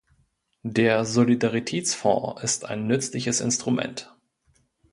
Der Solidaritätsfonds ist ein nützliches Instrument.